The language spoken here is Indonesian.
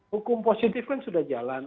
hukum positif kan sudah jalan